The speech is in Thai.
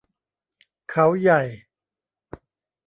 เขาใหญ่